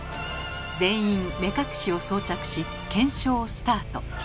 全員目隠しを装着し検証スタート。